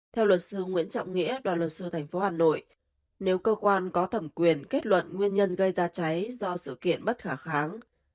theo luật sư nguyễn trọng nghĩa đoàn luật sư tp hà nội nếu cơ quan có thẩm quyền kết luận nguyên nhân gây ra cháy do sự kiện bất khả kháng